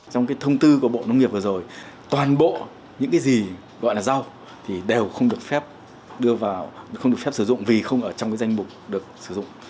trong cái thông tư của bộ nông nghiệp vừa rồi toàn bộ những cái gì gọi là rau thì đều không được phép đưa vào không được phép sử dụng vì không ở trong cái danh mục được sử dụng